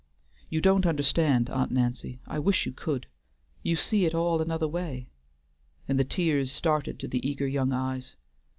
You don't understand, Aunt Nancy. I wish you could! You see it all another way." And the tears started to the eager young eyes.